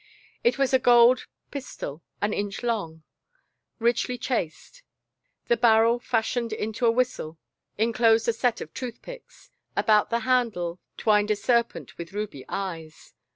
It was a gold pistol, an inch long, richly chased; the barrel^ fashioned into a whistle, enclosed a set of tooth picks. About the handle twined a serpent with ruby eyes.